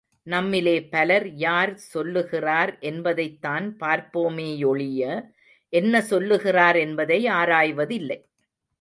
நம்மிலே பலர் யார் சொல்லுகிறார் என்பதைத்தான் பார்ப்போமேயொழிய, என்ன சொல்லுகிறார் என்பதை ஆராய்வதில்லை.